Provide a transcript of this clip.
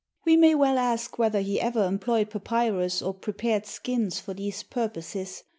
We may well ask whether he ever employed papyrus or prepared skins for these purposes.